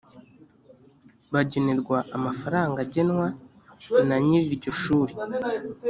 bagenerwa amafaranga agenwa na nyir iryo shuri